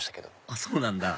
あっそうなんだ